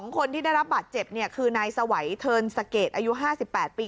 คนที่ได้รับบาดเจ็บคือนายสวัยเทิร์นสะเกดอายุ๕๘ปี